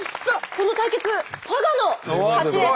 この対決佐賀の勝ちです。